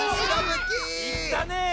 いったねぇ！